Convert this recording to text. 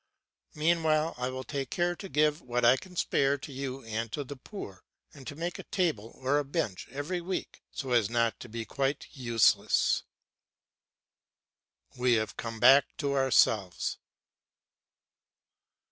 Meanwhile I will take care to give what I can spare to you and to the poor, and to make a table or a bench every week, so as not to be quite useless." We have come back to ourselves.